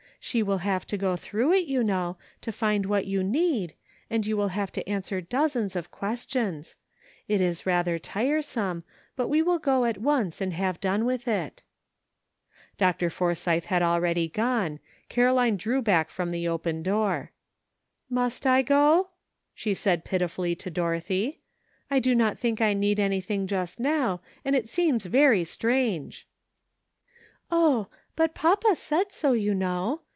She will have to go through it, you know, to find what you need, and you will have to answer dozens of questions ; it is rather tiresome, but we will go at once and have done with it.*' Dr. Forsythe had already gone ; Caroline drew back from the open door. '' Must I go? " she said pitifully to Dorothy. " I do not think I need anything just now, and it seems very strange." "Oh! but papa said so, you know.